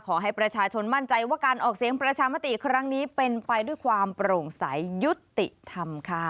ขอให้ประชาชนมั่นใจว่าการออกเสียงประชามติครั้งนี้เป็นไปด้วยความโปร่งใสยุติธรรมค่ะ